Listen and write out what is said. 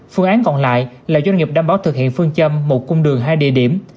phương án còn lại là doanh nghiệp đảm bảo thực hiện phương châm một cung đường hai địa điểm